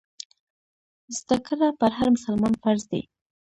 زده کړه پر هر مسلمان فرض دی.